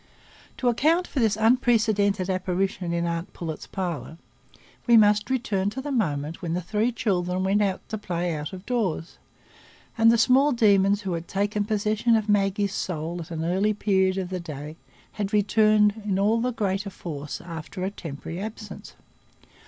To account for this unprecedented apparition in aunt Pullet's parlour, we must return to the moment when the three children went to play out of doors, and the small demons who had taken possession of Maggie's soul at an early period of the day had returned in all the greater force after a temporary absence.